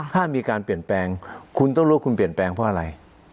ถ้ามีการเปลี่ยนแปลงคุณต้องรู้คุณเปลี่ยนแปลงเพราะอะไร